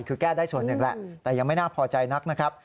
คือแก้ได้ส่วนหนึ่งแหละแต่ยังไม่น่าพอใจนักนะครับ